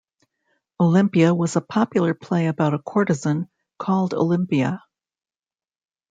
Olympia was a popular play about a courtesan called Olympia.